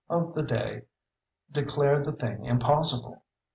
of the day declared the thing impossible.